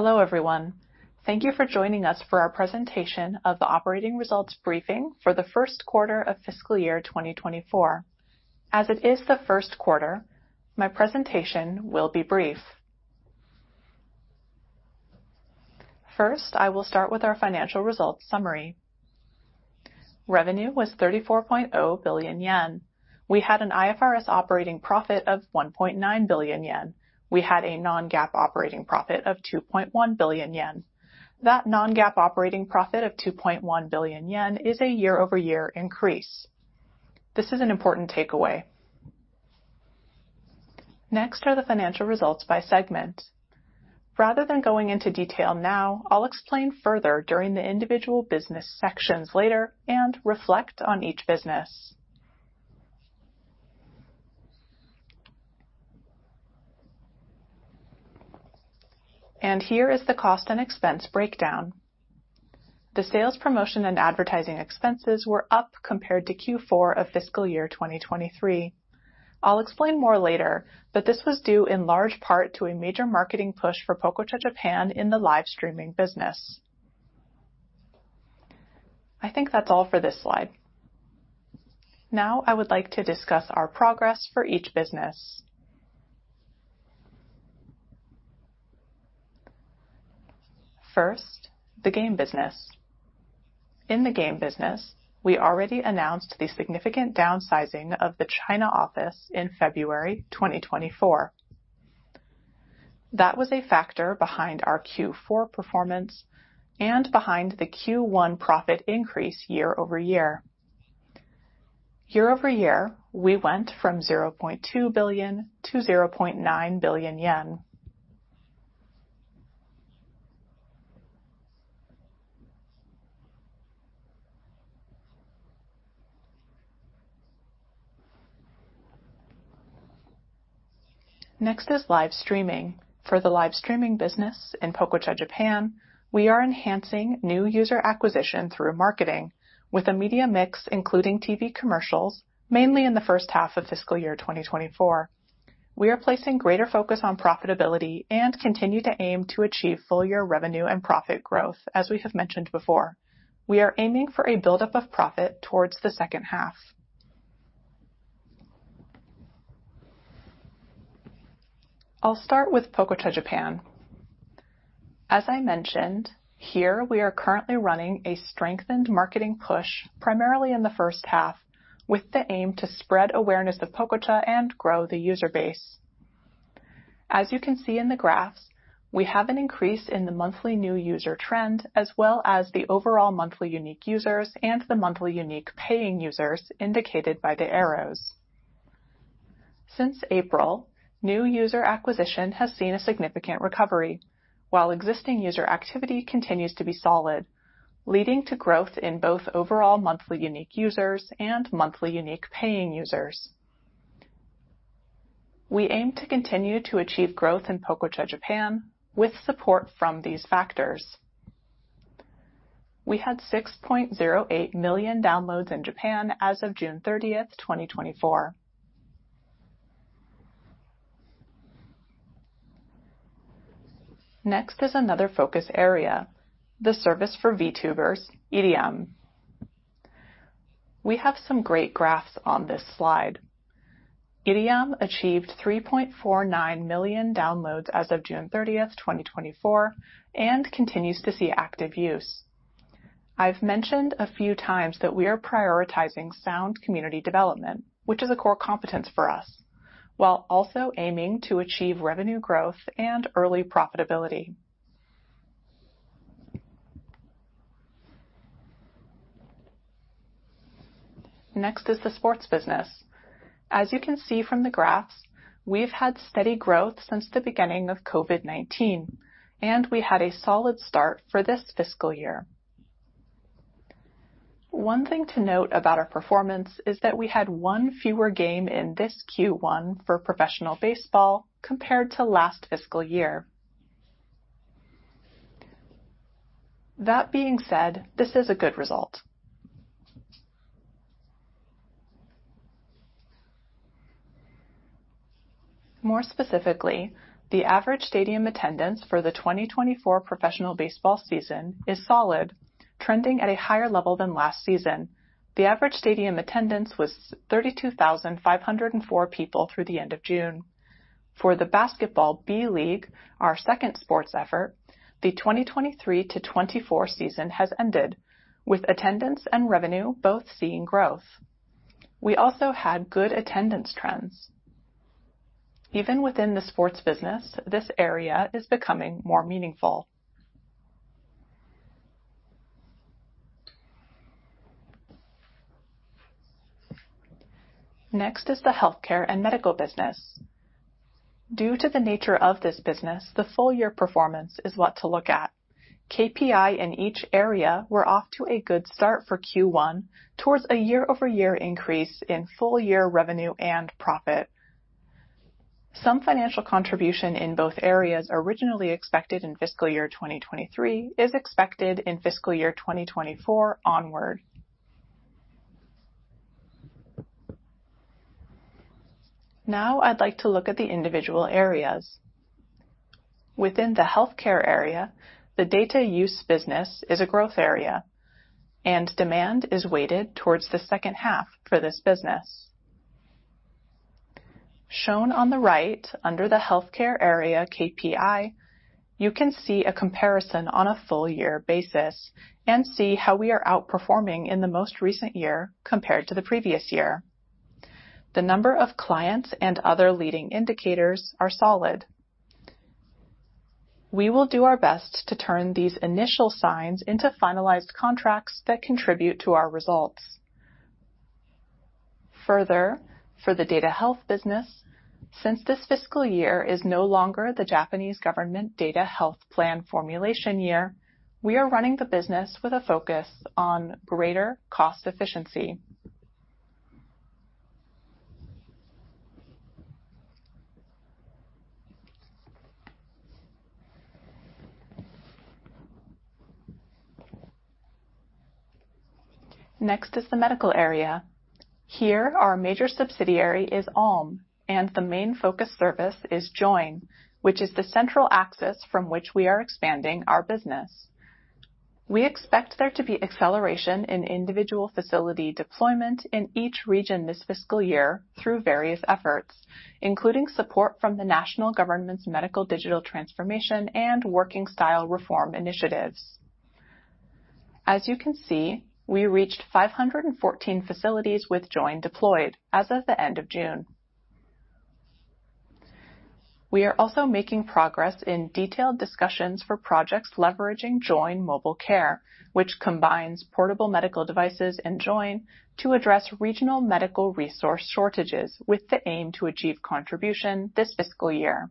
Hello, everyone. Thank you for joining us for our presentation of the operating results briefing for the first quarter of fiscal year 2024. As it is the first quarter, my presentation will be brief. First, I will start with our financial results summary. Revenue was 34.0 billion yen. We had an IFRS operating profit of 1.9 billion yen. We had a non-GAAP operating profit of 2.1 billion yen. That non-GAAP operating profit of 2.1 billion yen is a year-over-year increase. This is an important takeaway. Next are the financial results by segment. Rather than going into detail now, I'll explain further during the individual business sections later and reflect on each business. Here is the cost and expense breakdown. The sales, promotion, and advertising expenses were up compared to Q4 of fiscal year 2023. I'll explain more later, but this was due in large part to a major marketing push for Pococha Japan in the live streaming business. I think that's all for this slide. Now, I would like to discuss our progress for each business. First, the game business. In the game business, we already announced the significant downsizing of the China office in February 2024. That was a factor behind our Q4 performance and behind the Q1 profit increase year-over-year. Year-over-year, we went from JPY 0.2 billion-JPY 0.9 billion. Next is live streaming. For the live streaming business in Pococha Japan, we are enhancing new user acquisition through marketing with a media mix, including TV commercials, mainly in the first half of fiscal year 2024. We are placing greater focus on profitability and continue to aim to achieve full year revenue and profit growth, as we have mentioned before. We are aiming for a buildup of profit towards the second half. I'll start with Pococha Japan. As I mentioned, here, we are currently running a strengthened marketing push, primarily in the first half, with the aim to spread awareness of Pococha and grow the user base. As you can see in the graphs, we have an increase in the monthly new user trend, as well as the overall monthly unique users and the monthly unique paying users indicated by the arrows. Since April, new user acquisition has seen a significant recovery, while existing user activity continues to be solid, leading to growth in both overall monthly unique users and monthly unique paying users. We aim to continue to achieve growth in Pococha Japan with support from these factors. We had 6.08 million downloads in Japan as of June 30th, 2024. Next is another focus area, the service for VTubers, IRIAM. We have some great graphs on this slide. IRIAM achieved 3.49 million downloads as of June 30th, 2024, and continues to see active use. I've mentioned a few times that we are prioritizing sound community development, which is a core competence for us, while also aiming to achieve revenue growth and early profitability. Next is the sports business. As you can see from the graphs, we've had steady growth since the beginning of COVID-19, and we had a solid start for this fiscal year. One thing to note about our performance is that we had one fewer game in this Q1 for professional baseball compared to last fiscal year. That being said, this is a good result. More specifically, the average stadium attendance for the 2024 professional baseball season is solid, trending at a higher level than last season. The average stadium attendance was 32,504 people through the end of June. For the basketball B. League, our second sports effort, the 2023-2024 season has ended, with attendance and revenue both seeing growth. We also had good attendance trends. Even within the sports business, this area is becoming more meaningful. Next is the healthcare and medical business. Due to the nature of this business, the full-year performance is what to look at. KPI in each area were off to a good start for Q1 towards a year-over-year increase in full-year revenue and profit. Some financial contribution in both areas, originally expected in fiscal year 2023, is expected in fiscal year 2024 onward. Now I'd like to look at the individual areas. Within the healthcare area, the data use business is a growth area, and demand is weighted towards the second half for this business. Shown on the right, under the healthcare area KPI, you can see a comparison on a full year basis and see how we are outperforming in the most recent year compared to the previous year. The number of clients and other leading indicators are solid. We will do our best to turn these initial signs into finalized contracts that contribute to our results. Further, for the data health business, since this fiscal year is no longer the Japanese government data health plan formulation year, we are running the business with a focus on greater cost efficiency. Next is the medical area. Here, our major subsidiary is Allm, and the main focus service is JOIN, which is the central axis from which we are expanding our business. We expect there to be acceleration in individual facility deployment in each region this fiscal year through various efforts, including support from the national government's medical digital transformation and working style reform initiatives. As you can see, we reached 514 facilities with JOIN deployed as of the end of June. We are also making progress in detailed discussions for projects leveraging JOIN Mobile Care, which combines portable medical devices and JOIN to address regional medical resource shortages, with the aim to achieve contribution this fiscal year.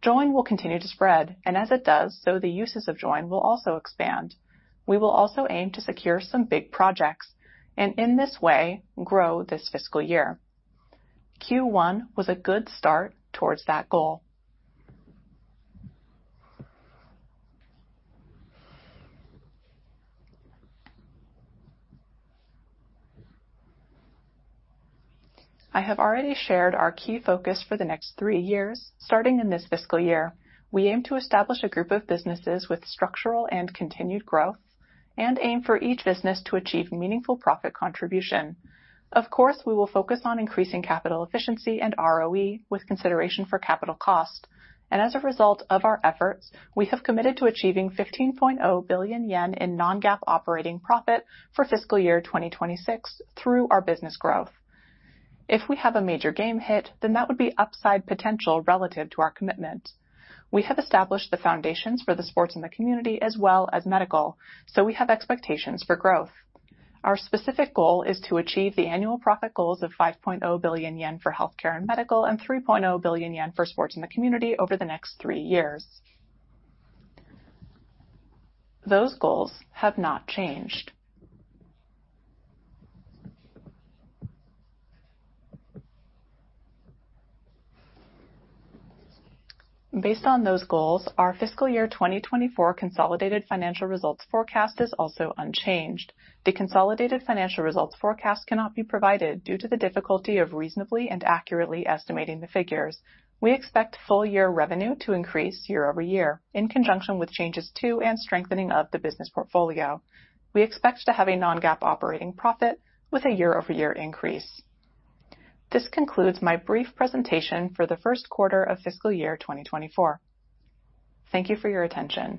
JOIN will continue to spread, and as it does, so the uses of JOIN will also expand. We will also aim to secure some big projects, and in this way, grow this fiscal year. Q1 was a good start towards that goal. I have already shared our key focus for the next three years. Starting in this fiscal year, we aim to establish a group of businesses with structural and continued growth, and aim for each business to achieve meaningful profit contribution. Of course, we will focus on increasing capital efficiency and ROE with consideration for capital cost, and as a result of our efforts, we have committed to achieving 15.0 billion yen in non-GAAP operating profit for fiscal year 2026 through our business growth. If we have a major game hit, then that would be upside potential relative to our commitment. We have established the foundations for the sports in the community as well as medical, so we have expectations for growth. Our specific goal is to achieve the annual profit goals of 5.0 billion yen for healthcare and medical, and 3.0 billion yen for sports in the community over the next three years. Those goals have not changed. Based on those goals, our fiscal year 2024 consolidated financial results forecast is also unchanged. The consolidated financial results forecast cannot be provided due to the difficulty of reasonably and accurately estimating the figures. We expect full year revenue to increase year-over-year in conjunction with changes to and strengthening of the business portfolio. We expect to have a non-GAAP operating profit with a year-over-year increase. This concludes my brief presentation for the first quarter of fiscal year 2024. Thank you for your attention.